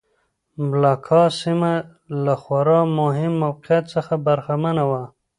ملاکا سیمه له خورا مهم موقعیت څخه برخمنه وه.